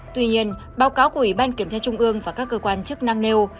tuy nhiên báo cáo của ủy ban kiểm tra trung ương và các cơ quan chức năng nêu